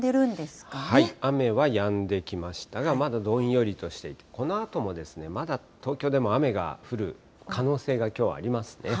雨はやんできましたが、まだどんよりとしていて、このあともですね、まだ東京でも雨が降る可能性がきょうはありますね。